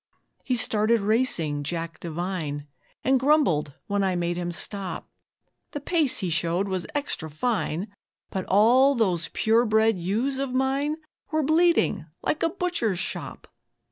He started racing Jack Devine, And grumbled when I made him stop. The pace he showed was extra fine, But all those pure bred ewes of mine Were bleeding like a butcher's shop.